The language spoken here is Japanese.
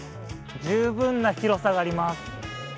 十分な広さがあります。